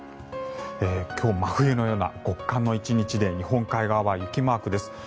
今日、真冬のような極寒の１日で日本海側は雪マークです。